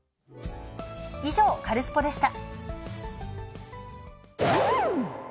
以上、カルスポっ！でした。